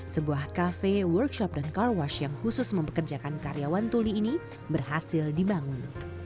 sebuah kafe workshop dan car wash yang khusus mempekerjakan karyawan tuli ini berhasil dibangun